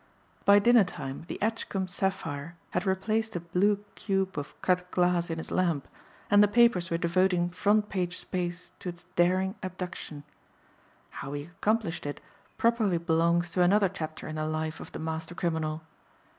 By dinner time the Edgcumbe sapphire had replaced the blue cube of cut glass and in his lamp the papers were devoting front page space to its daring abduction. How he accomplished it properly belongs to another chapter in the life of the master criminal.